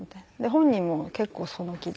本人も結構その気で。